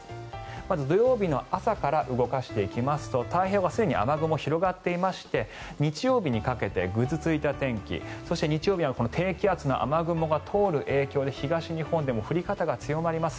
まず土曜日の朝から動かしていきますと太平洋側すでに雨雲が広がっていまして日曜日にかけてぐずついた天気そして日曜日は低気圧の雨雲が通る影響で東日本でも降り方が強まります。